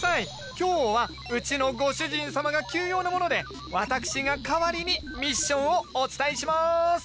今日はうちのご主人様が急用なもので私が代わりにミッションをお伝えします！